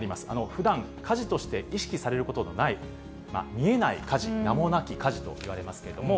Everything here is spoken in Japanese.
ふだん、家事として意識されることのない、見えない家事、名もなき家事といわれますけれども。